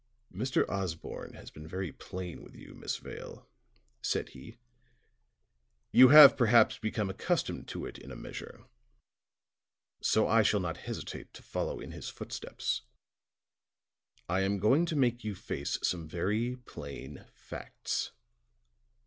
"Mr. Osborne has been very plain with you, Miss Vale," said he, "you have perhaps become accustomed to it in a measure. So I shall not hesitate to follow in his footsteps. I am going to make you face some very plain facts."